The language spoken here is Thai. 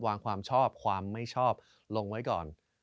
ความชอบความไม่ชอบลงไว้ก่อน